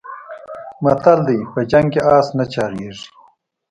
متل دی: په جنګ کې اس نه چاغېږي.